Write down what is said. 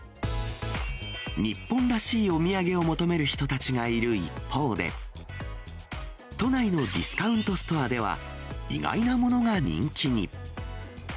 日本らしいお土産を求める人たちがいる一方で、都内のディスカウントストアでは、意外なものが人気に。